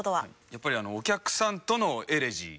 やっぱりお客さんとのエレジー。